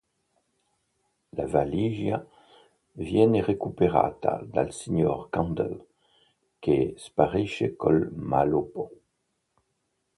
La valigia viene recuperata dal signor Candle che sparisce col malloppo.